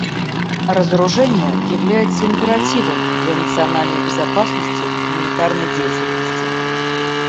Разоружение является императивом для национальной безопасности и гуманитарной деятельности.